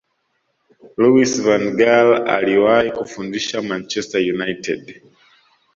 louis van gaal aliwahi kufundisha manchester united